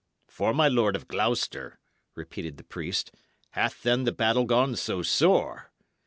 "For my Lord of Gloucester?" repeated the priest. "Hath, then, the battle gone so sore?"